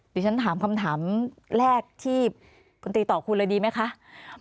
ดีฉันถามคำถามแรกที่ของพนตรีต่อคุณละดีไหมครับ